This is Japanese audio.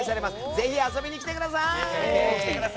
ぜひ遊びに来てください。